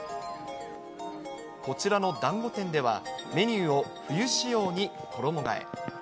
こちらのだんご店では、メニューを冬仕様に衣がえ。